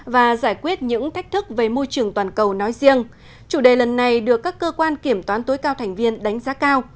và giải quyết những thách thức về môi trường toàn cầu nói riêng chủ đề lần này được các cơ quan kiểm toán tối cao thành viên đánh giá cao